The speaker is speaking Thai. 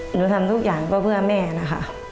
หนูทำทุกอย่างก็เพื่อแม่นะคะ